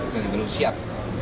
saya belum siap